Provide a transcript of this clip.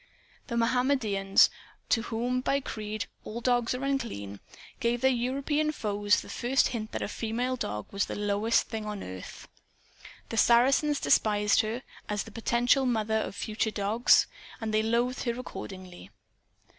The Mohammedans (to whom, by creed, all dogs are unclean) gave their European foes the first hint that a female dog was the lowest thing on earth. The Saracens despised her, as the potential mother of future dogs. And they loathed her accordingly.